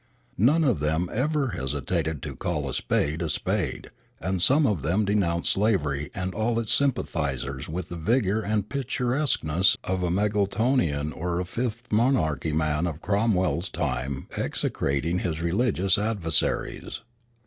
None of them ever hesitated to call a spade a spade, and some of them denounced slavery and all its sympathizers with the vigor and picturesqueness of a Muggletonian or Fifth Monarchy man of Cromwell's time execrating his religious adversaries.